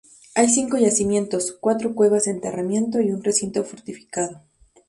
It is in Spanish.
Hay cinco yacimientos, cuatro cuevas de enterramiento y un recinto fortificado.